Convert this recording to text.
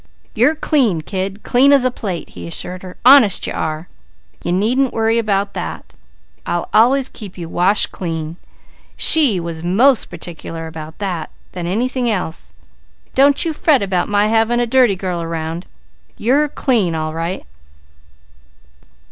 "You're clean kid, clean as a plate!" he assured her. "Honest you are! You needn't worry about that. I'll always keep you washed clean. She was more particular about that than anything else. Don't you fret about my having a dirty girl around! You're clean, all right!"